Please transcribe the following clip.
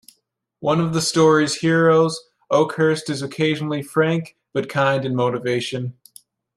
One of the story's heroes, Oakhurst is occasionally frank but kind in motivation.